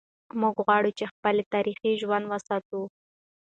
موږ غواړو چې خپل تاریخ ژوندی وساتو.